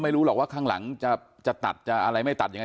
ไม่รู้หรอกว่าข้างหลังจะตัดจะอะไรไม่ตัดยังไง